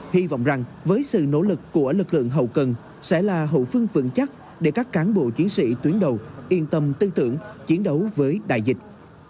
hy vọng rằng với sự nỗ lực của lực lượng hậu cần sẽ là hậu phương vững chắc để các cán bộ chiến sĩ tuyến đầu yên tâm tư tưởng chiến đấu với đại dịch